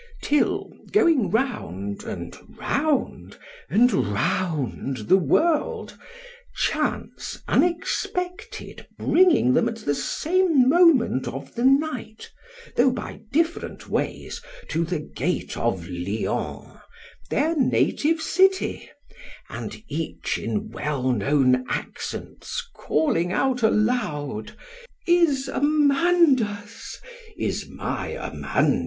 ——till,——going round, and round, and round the world——chance unexpected bringing them at the same moment of the night, though by different ways, to the gate of Lyons, their native city, and each in well known accents calling out aloud, Is Amandus still alive?